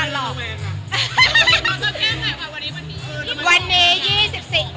แล้วต้องแก้ไหมว่าวันนี้มันอีกวัน